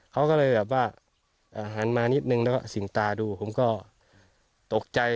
เขาก็เลยแบบว่าหันมานิดนึงแล้วก็สิ่งตาดูผมก็ตกใจ